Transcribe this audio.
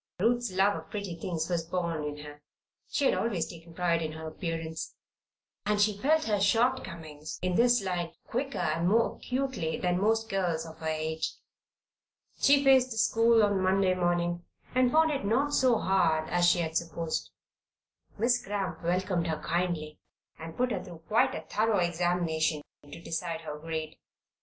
Ruth's love of pretty things was born in her. She had always taken pride in her appearance, and she felt her shortcomings in this line quicker and more acutely than most girls of her age. She faced the school on Monday morning and found it not so hard as she had supposed. Miss Cramp welcomed her kindly, and put her through quite a thorough examination to decide her grade.